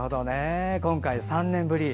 今回、３年ぶり。